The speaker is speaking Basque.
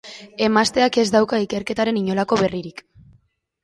Emazteak ez dauka ikerketaren inolako berririk.